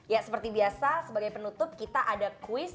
ya seperti biasa sebagai penutup kita ada quiz